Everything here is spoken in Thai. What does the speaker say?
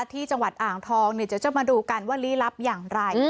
ที่จังหวัดอ่างทองเดี๋ยวจะมาดูกันว่าลี้ลับอย่างไร